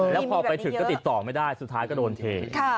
แล้วพอไปถึงก็ติดต่อไม่ได้สุดท้ายก็โดนเท